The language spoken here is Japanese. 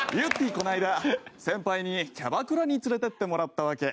この間先輩にキャバクラに連れてってもらったわけ。